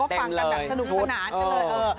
ฟังกันแบบสนุกสนานกันเลย